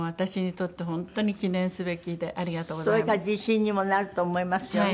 それが自信にもなると思いますよね。